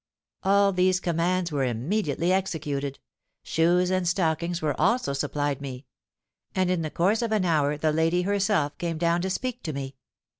"All these commands were immediately executed; shoes and stockings were also supplied me; and in the course of an hour the lady herself came down to speak to me.